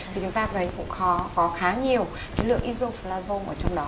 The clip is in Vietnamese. thì chúng ta thấy cũng có khá nhiều cái lượng insoflavom ở trong đó